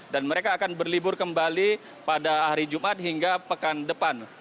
dan mereka akan berlibur kembali pada hari jumat hingga pekan depan